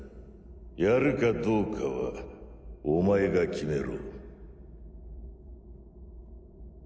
やるかどうかはお前が決めろ。